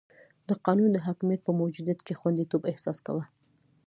د قانون د حاکمیت په موجودیت کې خونديتوب احساس کاوه.